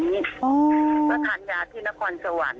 แล้วทานยาที่นครสวรรภ์